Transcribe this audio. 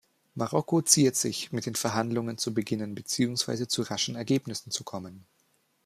Marokko ziert sich, mit den Verhandlungen zu beginnen beziehungsweise zu raschen Ergebnissen zu kommen.